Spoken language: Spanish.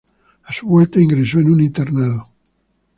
A su vuelta, ingresó en un internado.